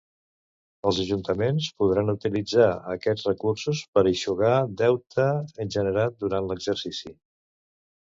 Els ajuntaments podran utilitzar aquests recursos per eixugar deute generat durant l'exercici.